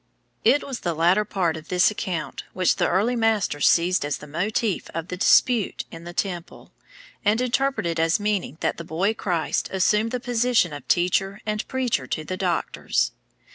It was the latter part of this account which the early masters seized as the motif of the Dispute in the Temple, and interpreted as meaning that the boy Christ assumed the position of teacher and preacher to the doctors.